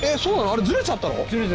あれずれちゃったの？